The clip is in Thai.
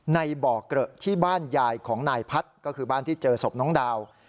ในบ่อเกลอะที่บ้านยายของนายพัฒน์ก็คือบ้านที่เจอศพน้องดาว